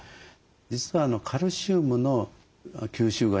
実はカルシウムの吸収がいいんですね。